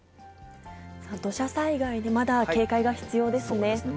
土砂災害にまだ警戒が必要でそうですね。